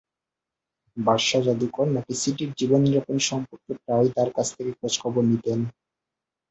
Barca জাদুকর নাকি সিটির জীবনযাপন সম্পর্কে প্রায়ই তাঁর কাছ থেকে খোঁজখবর নিতেন।